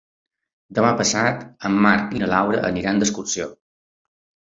Demà passat en Marc i na Laura aniran d'excursió.